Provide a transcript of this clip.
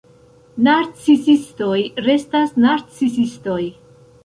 Narcisistoj restas narcisistoj.